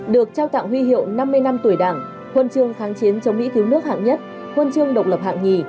được trao tặng huy hiệu năm mươi năm tuổi đảng huân chương kháng chiến chống mỹ cứu nước hạng nhất huân chương độc lập hạng nhì